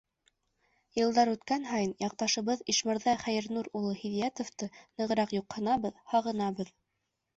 Йылдар үткән һайын яҡташыбыҙ Ишмырҙа Хәйернур улы Һиҙиәтовты нығыраҡ юҡһынабыҙ, һағынабыҙ.